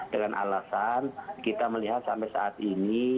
dengan alasan kita melihat sampai saat ini